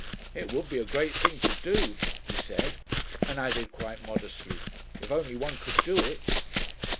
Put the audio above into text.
"It would be a great thing to do," he said, and added, quite modestly, "if only one could do it."